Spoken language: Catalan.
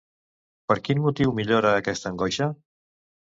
Per quin motiu millora, aquesta angoixa?